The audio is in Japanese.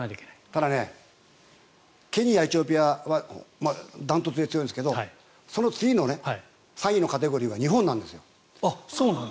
ただケニア、エチオピアは断トツで強いんですがその次の３位のカテゴリーは日本なんですよ。